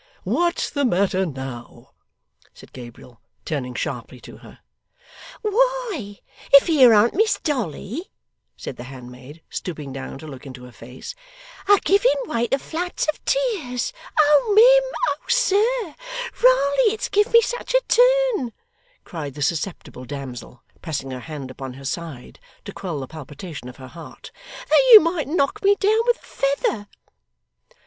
'What's the matter now?' said Gabriel, turning sharply to her. 'Why, if here an't Miss Dolly,' said the handmaid, stooping down to look into her face, 'a giving way to floods of tears. Oh mim! oh sir. Raly it's give me such a turn,' cried the susceptible damsel, pressing her hand upon her side to quell the palpitation of her heart, 'that you might knock me down with a feather.